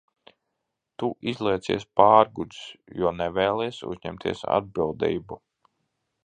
Tu izliecies pārgudrs, jo nevēlies uzņemties atbildību!